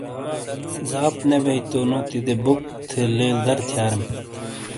زاپ نے بیئی تو نوتی نی بوق تھے دے لیل دَر تھِیاریم۔